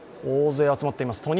大勢集まっています。